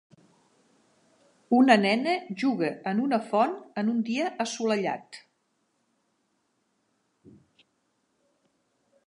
Una nena juga en una font en un dia assolellat.